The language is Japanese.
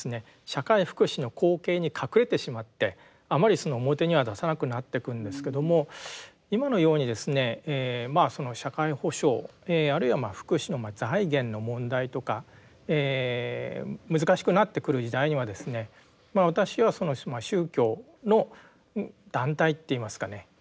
社会福祉の後景に隠れてしまってあまり表には出さなくなってくんですけども今のようにですねまあ社会保障あるいは福祉の財源の問題とか難しくなってくる時代にはですね私は宗教の団体って言いますかね